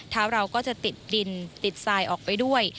เราก็จะติดดินติดทรายออกไปด้วย